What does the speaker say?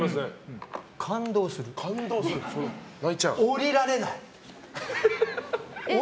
下りられない。